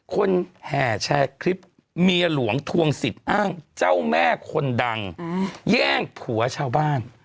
แห่แชร์คลิปเมียหลวงทวงสิทธิ์อ้างเจ้าแม่คนดังแย่งผัวชาวบ้าน